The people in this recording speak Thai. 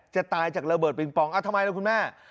จะตายจากระเบิดปิงปองทำไมล่ะคุณแม่